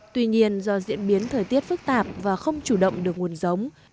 tuy nhiên do diễn biến thời tiết phức tạp và không chủ động được nguồn giống